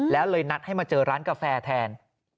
แล้วเลยนัดให้มาเจอร้านกาแฟแทน